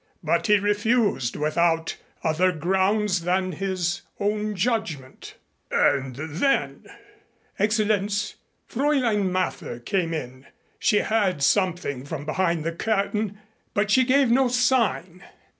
But he refused without other grounds than his own judgment." "And then " "Excellenz, Fräulein Mather came in. She heard something from behind the curtain but she gave no sign."